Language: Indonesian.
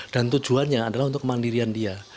dan tujuannya adalah untuk kemandirian dia